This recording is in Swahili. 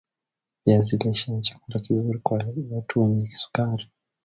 viazi lishe ni chakula kizuri kwa watu wenye kisukari